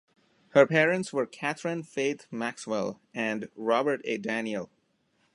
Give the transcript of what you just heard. Her parents were Catherine Faith Maxwell and Robert A. Daniel.